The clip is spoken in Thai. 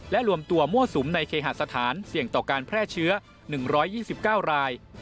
และรวมตัวมั่วสุมในเคหาสถานเสี่ยงต่อการแพร่เชื้อ๑๒๙ราย